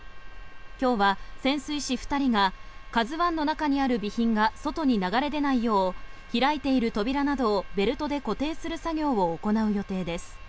今日は潜水士２人が「ＫＡＺＵ１」の中にある備品が外に流れ出ないよう開いている扉などをベルトで固定する作業を行う予定です。